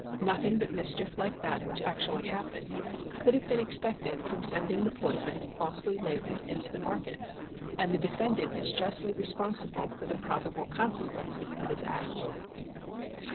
Nothing but mis chief like that which actually happened, could have been ex pected from sending the poison falsely labelled into the market, and the defendant is justly responsible for the prob able consequences of his act."